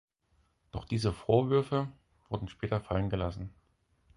Doch diese Vorwürfe wurden später fallen gelassen.